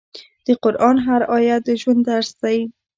د قرآن هر آیت د ژوند درس دی.